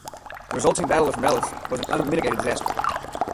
The resulting Battle of Fromelles was an unmitigated disaster.